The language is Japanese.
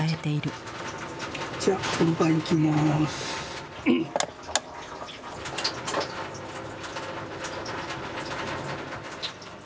じゃあ本番いきます。